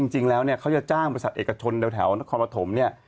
จริงแล้วเนี่ยเขาจะจ้างบริษัทเอกชนแถวนครปฐมเนี่ย